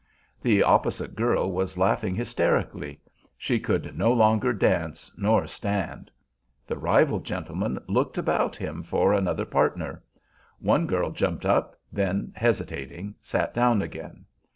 The opposite girl was laughing hysterically; she could no longer dance nor stand. The rival gentleman looked about him for another partner. One girl jumped up, then, hesitating, sat down again.